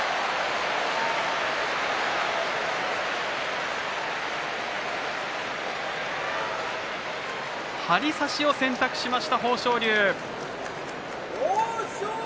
拍手張り差しを選択しました豊昇龍。